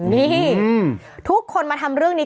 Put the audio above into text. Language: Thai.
นี่ทุกคนมาทำเรื่องนี้